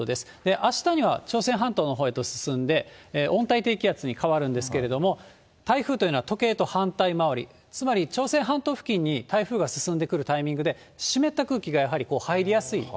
あしたには朝鮮半島のほうへと進んで、温帯低気圧に変わるんですけれども、台風というのは時計と反対回り、つまり朝鮮半島付近に台風が進んでくるタイミングで、湿った空気がやはり入りやすい。